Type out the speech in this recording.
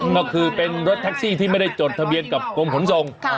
ก็คือเป็นรถแท็กซี่ที่ไม่ได้จดทะเบียนกับกรมขนส่ง